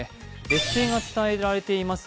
劣勢が伝えられています